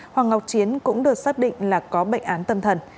hoàng ngọc chiến cũng được xác định là có bệnh án tâm thần